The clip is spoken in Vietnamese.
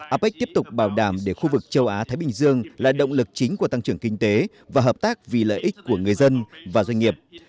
apec tiếp tục bảo đảm để khu vực châu á thái bình dương là động lực chính của tăng trưởng kinh tế và hợp tác vì lợi ích của người dân và doanh nghiệp